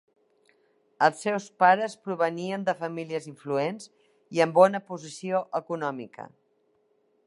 Els seus pares provenien de famílies influents i amb bona posició econòmica.